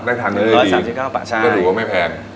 ได้ทานเนื้อดีก็ดูว่าไม่แพง